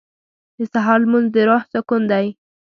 • د سهار لمونځ د روح سکون دی.